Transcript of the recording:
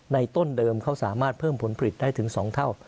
ต้นเดิมเขาสามารถเพิ่มผลผลิตได้ถึง๒เท่า